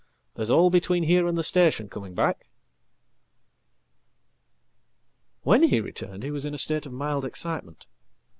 "There's all between here andthe station coming back."When he returned he was in a state of mild excitement.